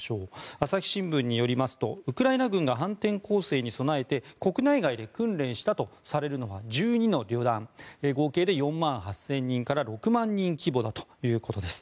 朝日新聞によりますとウクライナ軍が反転攻勢に備えて国内外で訓練したとされるのは１２の旅団合計で４万８０００人から６万人規模だということです。